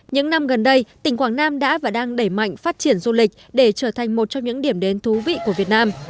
những năm gần đây tỉnh quảng nam đã và đang đẩy mạnh phát triển du lịch để trở thành một trong những điểm đến thú vị của việt nam